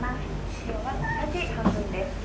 塩は小さじ半分です。